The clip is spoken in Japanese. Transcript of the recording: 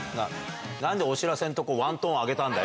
なんでお知らせのとこ、ワントーン上げたんだよ。